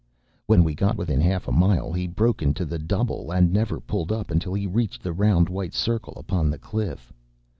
When we got within half a mile he broke into the “double,” and never pulled up until he reached the round white circle upon the cliff.